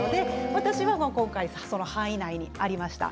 私は今回その範囲内にありました。